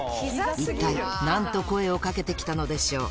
一体何と声を掛けて来たのでしょう？